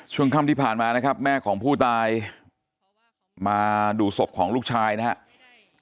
ช่วงค่ำที่ผ่านมานะครับแม่ของผู้ตายมาดูศพของลูกชายนะครับ